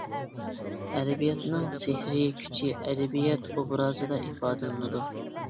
ئەدەبىياتنىڭ سېھرىي كۈچى ئەدەبىيات ئوبرازىدا ئىپادىلىنىدۇ.